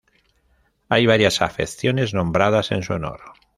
Hay varias afecciones nombradas en su honor.